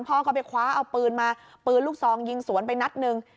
พ่อก็ไปคว้าเอาปืนมาปืนลูกซองยิงสวนไปนัดหนึ่ง